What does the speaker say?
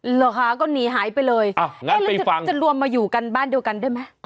เหรอคะก็หนีหายไปเลยแล้วจะรวมมาอยู่กันบ้านเดียวกันได้ไหม